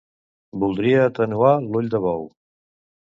Voldria atenuar l'ull de bou.